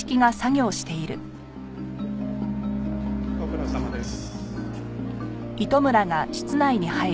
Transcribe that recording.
ご苦労さまです。